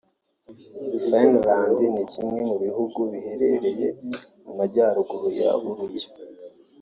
Finland ni kimwe mu bihugu biherereye mu majyaruguru y’u Burayi